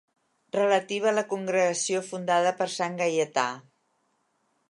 Relativa a la congregació fundada per sant Gaietà.